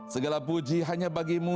segala puji hanya bagimu